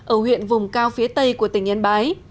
ở huyện vùng cao phía tây của tỉnh yên bái